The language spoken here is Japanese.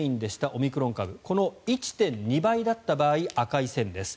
オミクロン株この１．２倍だった場合赤い線です。